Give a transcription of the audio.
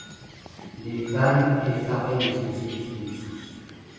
Les vagues, effarés de ces épilepsies ;